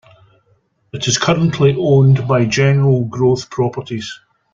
It is currently owned by General Growth Properties.